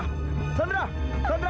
aku nggak ngerti deh